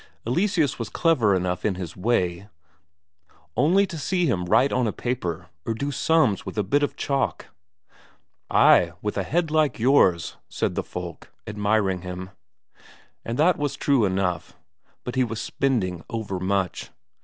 Eleseus was clever enough in his way only to see him write on a paper, or do sums with a bit of chalk! "Ay, with a head like yours," said folk, admiring him. And that was true enough; but he was spending overmuch.